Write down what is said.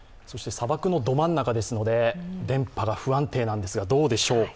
砂漠のど真ん中ですので、電波が不安定なんですが、どうでしょうか。